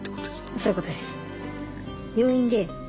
そういうことです。